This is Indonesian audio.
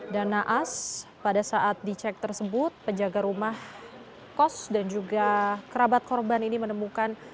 dan naas pada saat dicek tersebut penjaga rumah kos dan juga kerabat korban ini menemukan